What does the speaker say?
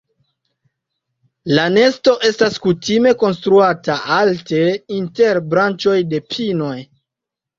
La nesto estas kutime konstruata alte inter branĉoj de pinoj.